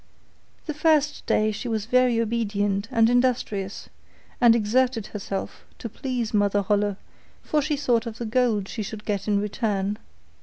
The first day she was very obedient and industrious, and exerted herself to please Mother Holle, for she thought of the gold she should get in return.